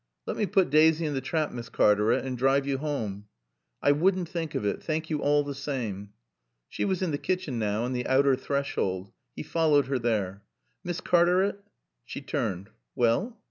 "Let me putt Daasy in t' trap, Miss Cartaret, and drive yo' home." "I wouldn't think of it. Thank you all the same." She was in the kitchen now, on the outer threshold. He followed her there. "Miss Cartaret " She turned. "Well?"